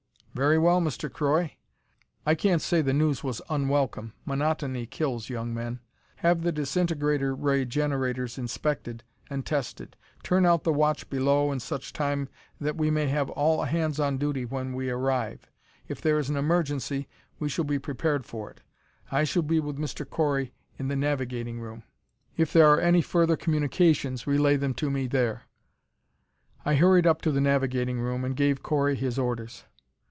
"Very well, Mr. Croy." I can't say the news was unwelcome. Monotony kills young men. "Have the disintegrator ray generators inspected and tested. Turn out the watch below in such time that we may have all hands on duty when we arrive. If there is an emergency, we shall be prepared for it. I shall be with Mr. Correy in the navigating room; if there are any further communications, relay them to me there." I hurried up to the navigating room, and gave Correy his orders.